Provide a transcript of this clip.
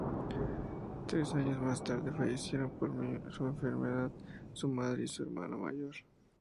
Tres años más tarde fallecieron por enfermedad su madre y su hermano mayor.